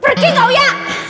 pergi gak uya